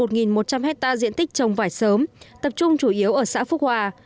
ta diện tích trồng vải sớm tập trung chủ yếu ở xã phúc hoa